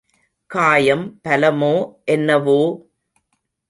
காயம் பலமோ என்னவோ!